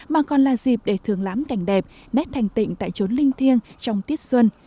mà còn là dịp để thường lắm cảnh đẹp nét thanh tịnh tại trốn linh thiêng trong tiết xuân